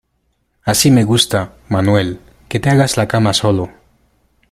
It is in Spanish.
Así me gusta, Manuel, que te hagas la cama solo.